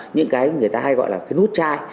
những cái người ta hay gọi là cái núp chai